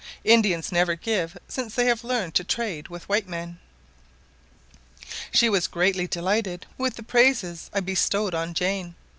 Indians never give since they have learned to trade with white men. She was greatly delighted with the praises I bestowed on Jane.